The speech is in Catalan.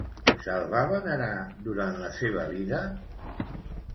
Se'l va venerar durant la seva vida?